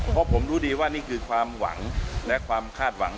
เพราะผมรู้ดีว่านี่คือความหวังและความคาดหวัง